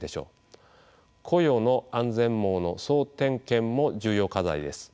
雇用の安全網の総点検も重要課題です。